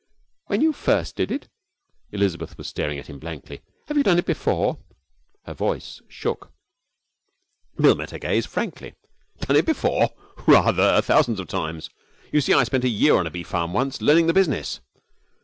'When you first did it?' Elizabeth was staring at him blankly. 'Have you done it before?' Her voice shook. Bill met her gaze frankly. 'Done it before? Rather! Thousands of times. You see, I spent a year on a bee farm once, learning the business.'